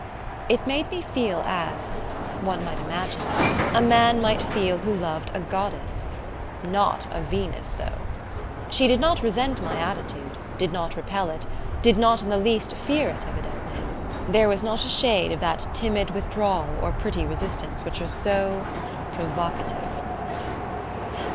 It made me feel as, one might imagine, a man might feel who loved a goddess not a Venus, though! She did not resent my attitude, did not repel it, did not in the least fear it, evidently. There was not a shade of that timid withdrawal or pretty resistance which are so provocative.